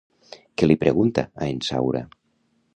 Què li pregunta a en Saura?